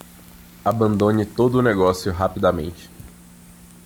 Abandone todo o negócio rapidamente.